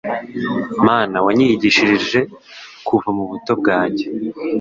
Mana wanyiyigishirije kuva mu buto bwanjye